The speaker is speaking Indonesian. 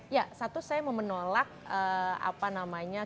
ya satu saya mau menolak apa namanya